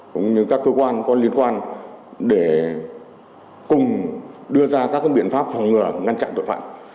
cũng như các cơ quan có liên quan để cùng đưa ra các biện pháp phòng ngừa ngăn chặn tội phạm